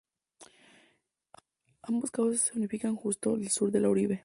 Ambos cauces se unifican justo al sur de la urbe.